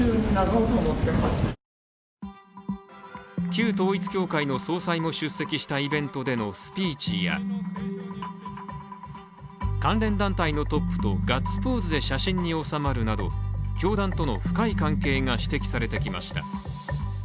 旧統一教会の総裁も出席したイベントでのスピーチや関連団体のトップとガッツポーズで写真に収まるなど教団との深い関係が指摘されてきました。